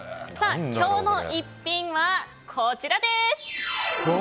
今日の逸品はこちらです。